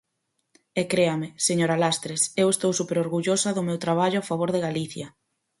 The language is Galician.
E créame, señora Lastres, eu estou superorgullosa do meu traballo a favor de Galicia.